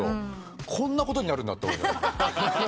こんなことになるんだって。